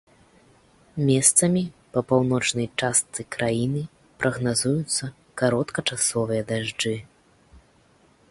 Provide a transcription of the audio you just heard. Месцамі па паўночнай частцы краіны прагназуюцца кароткачасовыя дажджы.